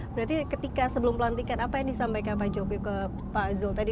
berarti ketika sebelum pelantikan apa yang disampaikan pak jokowi ke pak zul tadi